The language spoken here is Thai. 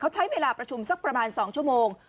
ใช้เวลาประชุมสักประมาณ๒ชั่วโมง